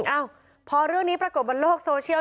เอ้าพอเรื่องนี้ปรากฏบนโลกโซเชียล